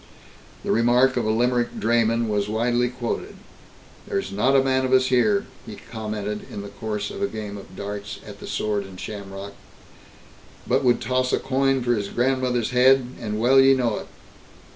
The remark of a Limerick drayman was widely quoted. "There's not a man of us here," he commented in the course of a game of darts at the Sword and Shamrock, "but would toss a coin for his grandmother's head, and well ye know it.